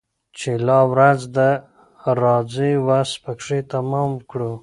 چي لا ورځ ده راځه وس پكښي تمام كړو